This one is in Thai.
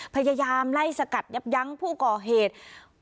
พยายามไล่สกัดยับยั้งผู้ก่อเหตุ